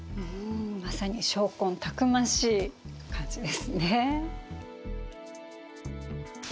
まさに商魂たくましい感じですね。